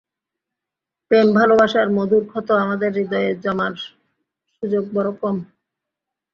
প্রেম, ভালোবাসার মধুর ক্ষত আমাদের হৃদয়ে জমার সুযোগ বড় কম।